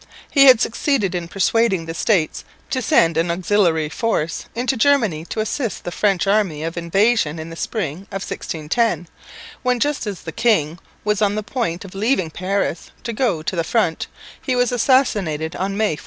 He had succeeded in persuading the States to send an auxiliary force into Germany to assist the French army of invasion in the spring of 1610, when just as the king was on the point of leaving Paris to go to the front he was assassinated on May 14.